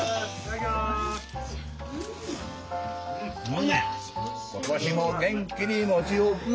今年も元気に餅を食う。